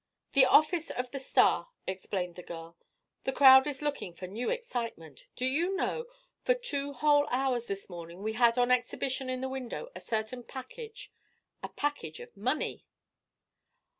"The office of the Star," explained the girl. "The crowd is looking for new excitement. Do you know, for two whole hours this morning we had on exhibition in the window a certain package a package of money!"